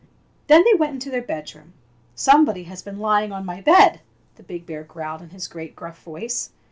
Then they went into their bedroom. "SOMEBODY HAS BEEN LYING ON MY BED !" the big bear growled in his great gruflf voice.